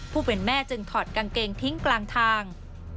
ผู้เป็นแม่จึงถอดกางเกงทิ้งกลางทาง